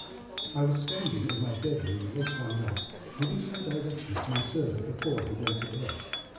I was standing in my bedroom late one night, giving some directions to my servant before he went to bed.